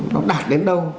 nó đạt đến đâu